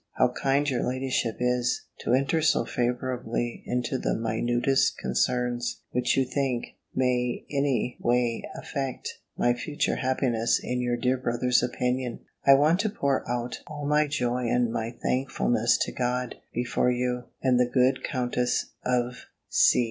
How kind your ladyship is, to enter so favourably into the minutest concerns, which you think, may any way affect my future happiness in your dear brother's opinion! I want to pour out all my joy and my thankfulness to God, before you, and the good Countess of C